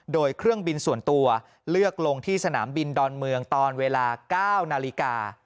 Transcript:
โดยเครื่องบินส่วนตัวเลือกลงที่สนามบินดอนเมืองตอนเวลา๙นาฬิกา